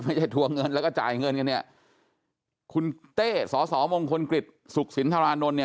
ไม่ใช่ถั่วเงินแล้วก็จ่ายเงินกันคุณเต้สสมงคลกฤษสุขศิลป์ธรานนทร์